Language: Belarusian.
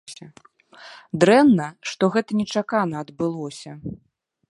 Дрэнна, што гэта нечакана адбылося.